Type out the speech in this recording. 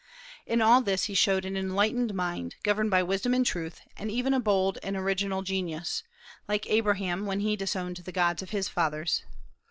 In all this he showed an enlightened mind, governed by wisdom and truth, and even a bold and original genius, like Abraham when he disowned the gods of his fathers.